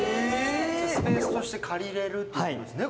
スペースとして借りれるってことですね